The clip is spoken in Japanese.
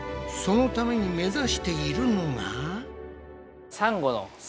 そのために目指しているのが？